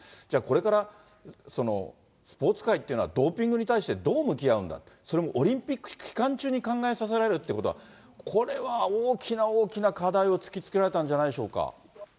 じゃあ、これからスポーツ界っていうのは、ドーピングに対してどう向き合うんだ、それもオリンピック期間中に考えさせられるということは、これは大きな大きな課題を突きつけられたんじゃないでしょうか。